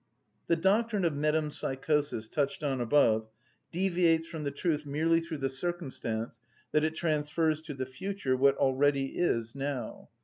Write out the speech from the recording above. The doctrine of metempsychosis, touched on above, deviates from the truth merely through the circumstance that it transfers to the future what already is now.